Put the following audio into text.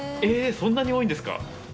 そんなに多いんですか。